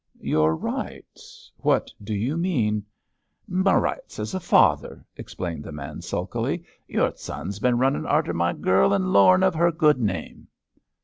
'Your rights? What do you mean?' 'M' rights as a father,' explained the man, sulkily. 'Your son's bin runnin' arter m' gal, and lowerin' of her good name.'